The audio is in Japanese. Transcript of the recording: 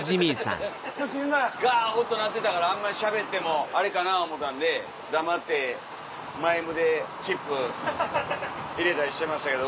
ガ音鳴ってたからあんまりしゃべってもあれかな思うたんで黙ってマイムでチップ入れたりしてましたけど